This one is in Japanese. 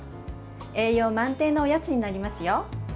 栄養満点のおやつになりますよ。